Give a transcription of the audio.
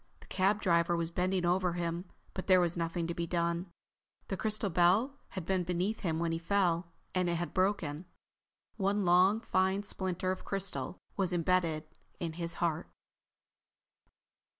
The cab driver was bending over him, but there was nothing to be done. The crystal bell had been beneath him when he fell, and it had broken. One long, fine splinter of crystal was embedded in his heart.